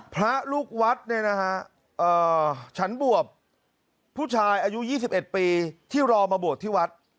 พระลูกวัดเนี่ยนะฮะฉันบวบผู้ชายอายุ๒๑ปีที่รอมาบวชที่วัด